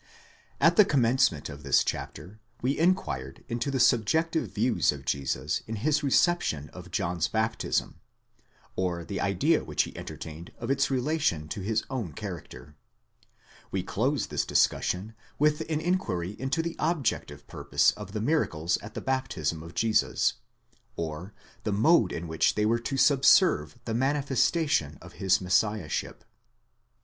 At the commencement of this chapter, we enquired into the subjective views of Jesus in his reception of John's baptism, or the idea which he enter tained of its relation to his own character. We close this discussion with an inquiry into the objective purpose of the miracles at the baptism of Jesus, or the mode in which they were to subserve the manifestation of his messiah ship.